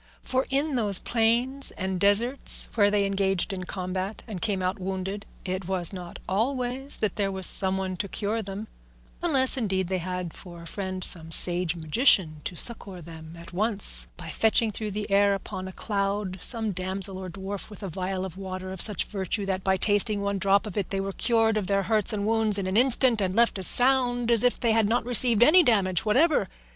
For in those plains and deserts where they engaged in combat and came out wounded, it was not always that there was some one to cure them, unless indeed they had for a friend some sage magician to succour them at once by fetching through the air upon a cloud some damsel or dwarf with a vial of water of such virtue that by tasting one drop of it they were cured of their hurts and wounds in an instant and left as sound as if they had not received any damage whatever.